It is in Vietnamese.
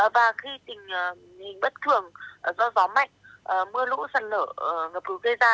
và khi tình hình bất thường do gió mạnh mưa lũ sần lở ngập lũ gây ra